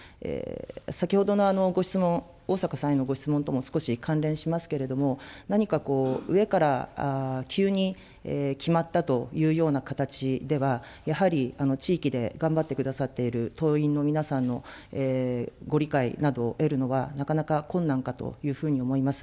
先ほどのご質問、逢坂さんへのご質問とも少し関連しますけれども、なにかこう、上から急に決まったというような形では、やはり、地域で頑張ってくださっている党員の皆さんのご理解などを得るのは、なかなか困難かというふうに思います。